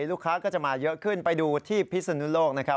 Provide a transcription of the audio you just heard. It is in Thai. ลูกค้าก็จะมาเยอะขึ้นไปดูที่พิศนุโลกนะครับ